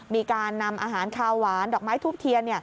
มีการนำอาหารคาวหวานดอกไม้ทูบเทียน